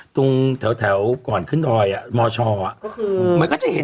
ตรงแถวแถวก่อนขึ้นดอยอ่ะมชอ่ะก็คือมันก็จะเห็น